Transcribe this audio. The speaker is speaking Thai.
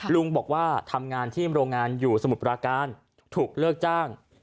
ลุงบอกว่าทำงานที่โรงงานอยู่สมุทรปราการถูกเลิกจ้าง